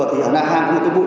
thì hôm nay hàng cũng có vụ